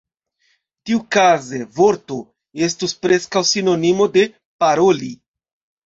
Tiukaze "vorto" estus preskaŭ sinonimo de "paroli".